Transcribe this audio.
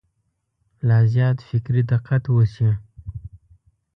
لا زیات فکري دقت وشي.